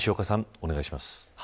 お願いします。